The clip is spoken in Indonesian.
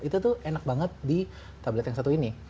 itu tuh enak banget di tablet yang satu ini